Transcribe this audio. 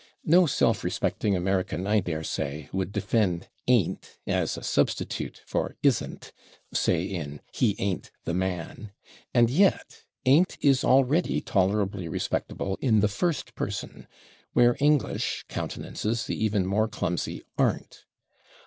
No self respecting American, I daresay, would defend /ain't/ as a substitute [Pg146] for /isn't/, say in "he /ain't/ the man," and yet /ain't/ is already tolerably respectable in the first person, where English countenances the even more clumsy /aren't